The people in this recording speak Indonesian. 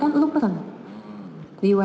kan elu pernah di wa